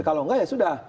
kalau nggak ya sudah